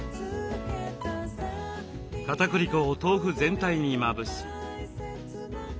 かたくり粉を豆腐全体にまぶし。